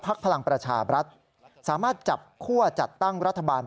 พลังประชาบรัฐสามารถจับคั่วจัดตั้งรัฐบาล